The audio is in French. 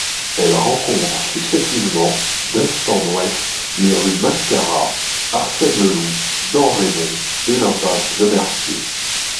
Elle rencontre successivement, d'est en ouest, les rues Mascara, Arsène-Leloup, Damrémont et l'impasse Lemercier.